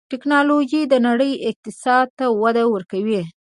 ټکنالوجي د نړۍ اقتصاد ته وده ورکوي.